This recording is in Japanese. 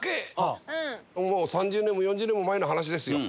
３０年も４０年も前の話ですよ